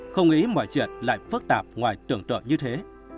không nghĩ mọi chuyện lại phức tạp ngoài tưởng tượng như thế